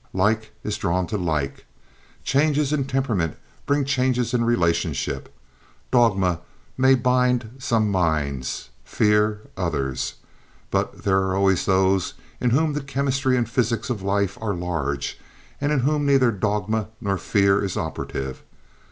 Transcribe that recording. Like is drawn to like. Changes in temperament bring changes in relationship. Dogma may bind some minds; fear, others. But there are always those in whom the chemistry and physics of life are large, and in whom neither dogma nor fear is operative.